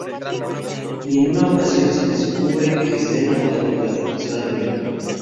Y en una ocasión se descubre que está enamorado de la profesora de Lengua.